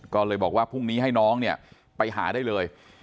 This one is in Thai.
ก็เลยบอกว่าพรุ่งนี้ให้น้องเนี่ยไปหาได้เลย